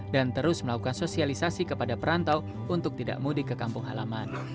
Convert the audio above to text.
dan terus melakukan sosialisasi kepada perantau untuk tidak mudik ke kampung halaman